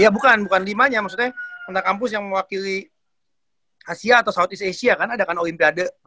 iya bukan bukan limanya maksudnya antarkampus yang mewakili asia atau southeast asia kan ada kan olimpiade